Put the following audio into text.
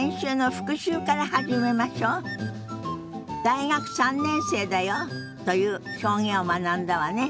「大学３年生だよ」という表現を学んだわね。